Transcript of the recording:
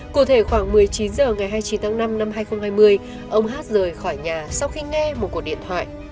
cụ thể khoảng một mươi chín h ngày hai mươi chín tháng năm năm hai nghìn hai mươi ông hát rời khỏi nhà sau khi nghe một cuộc điện thoại